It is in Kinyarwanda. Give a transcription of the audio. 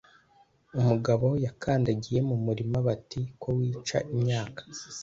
umugabo yakandagiye mu murima, bati «ko wica imyaka